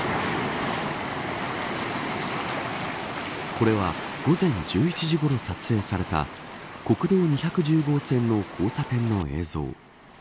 これは午前１１時ごろ撮影された国道２１０号線の交差点の映像。